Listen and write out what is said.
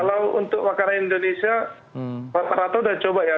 kalau untuk makanan indonesia rato udah coba ya